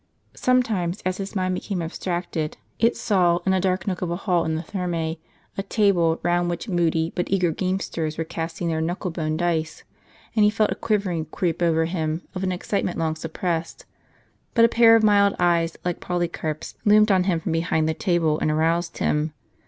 Some times, as his mind became abstracted, it saw, in a dark nook of a hall in the Thermge, a table, round which moody but eager gamesters were casting their knuckle bone dice; and he felt a quivering creep over him of an excitement long sup pressed ; but a pair of mild eyes, like Polycarp's, loomed on him from behind the table, and aroused him.